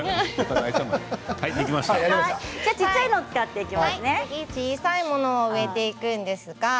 じゃあ小さいのを使っていきます小さいものを植えていきます。